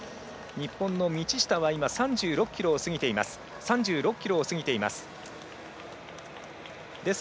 日本の道下は３６ｋｍを過ぎています。